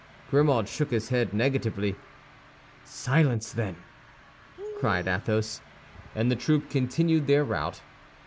Grimaud shook his head negatively. "Silence, then!" cried Athos. And the troop continued their route.